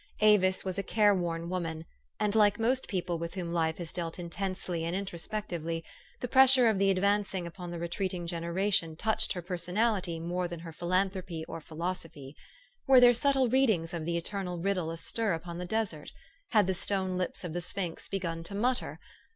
Avis was a careworn woman ; and, like most peo ple with whom life has dealt intensely and intro spectively, the pressure of the advancing upon the retreating generation touched her personality more than her philanthropy or philosophy. Were there subtle readings of the eternal riddle astir upon the desert ? Had the stone lips of the sphinx begun to mutter?